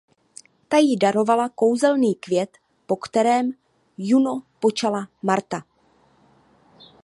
Ta ji darovala kouzelný květ po kterém Juno počala Marta.